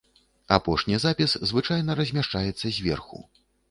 Апошні запіс звычайна размяшчаецца зверху.